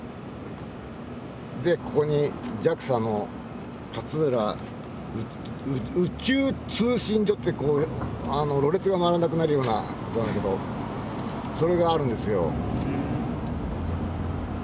でここにＪＡＸＡの勝浦宇宙通信所ってろれつが回らなくなるような言葉だけどそれがあるんですよ。